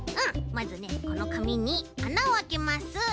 まずねこのかみにあなをあけます。